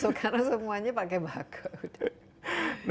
so karena semuanya pakai barcode